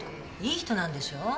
いい人なんでしょ？